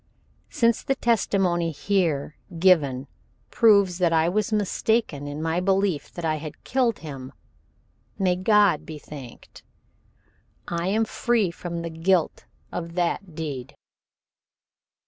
Since the testimony here given proves that I was mistaken in my belief that I had killed him, may God be thanked, I am free from the guilt of that deed.